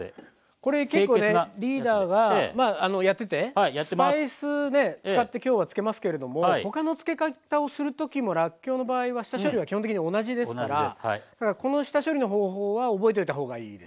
これ結構ねリーダーがやっててスパイス使ってきょうは漬けますけれども他の漬け方をする時もらっきょうの場合は下処理は基本的に同じですからだからこの下処理の方法は覚えといた方がいいですね。ですね。